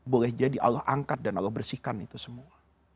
boleh jadi allah angkat dan allah bersihkan itu semua